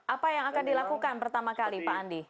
apa yang akan dilakukan pertama kali pak andi